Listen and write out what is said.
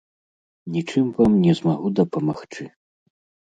Нічым вам не змагу дапамагчы.